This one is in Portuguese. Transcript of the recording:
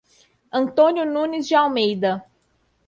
Antônio Nunes de Almeida